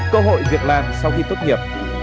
sáu cơ hội việc làm sau khi tốt nghiệp